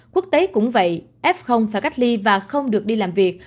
quốc tế cũng vậy f phải cách ly và không được đi làm việc